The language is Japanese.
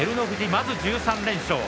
まず１３連勝。